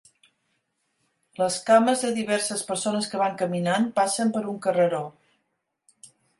Les cames de diverses persones que van caminant passen per un carreró.